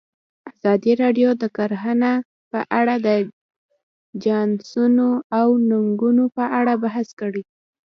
ازادي راډیو د کرهنه په اړه د چانسونو او ننګونو په اړه بحث کړی.